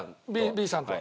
Ｂさんとは。